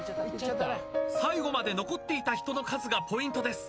最後まで残っていた人の数がポイントです。